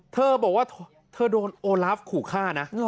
เธอบอกว่าเธอโดนโอลาฟขู่ฆ่านะ